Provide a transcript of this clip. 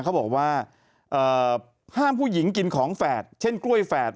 เขาบอกว่าห้ามผู้หญิงกินของแฝดเช่นกล้วยแฝด